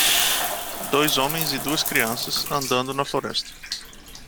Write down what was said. Dois homens e duas crianças andando na floresta.